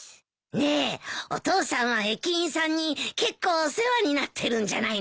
ねえお父さんは駅員さんに結構お世話になってるんじゃないの？